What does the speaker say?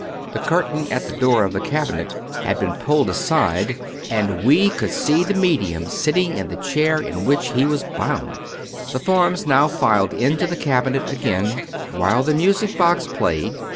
The curtain at the door of the cabinet was pulled aside and we could see the medium sitting in the chair in which he was bound. The forms now filed into the cabinet again, while the music box played.